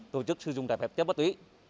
tổ chức sử dụng tài phạm chất ma túy